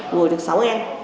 ngồi được sáu em